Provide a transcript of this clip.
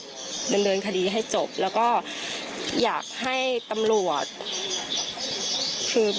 พี่น้องวาหรือว่าน้องวาหรือ